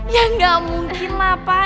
ya gak mungkin lah pak